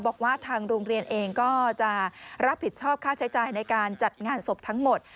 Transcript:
บอกว่าทางโรงเรียนเองก็จะรับผิดชอบค่าใช้จ่ายในการจัดงานศพทั้งหมด